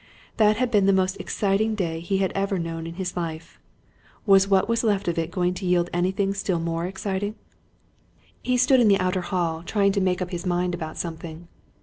That had been the most exciting day he had ever known in his life was what was left of it going to yield anything still more exciting? He stood in the outer hall trying to make up his mind about something.